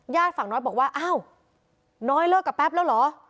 ฝั่งน้อยบอกว่าอ้าวน้อยเลิกกับแป๊บแล้วเหรอ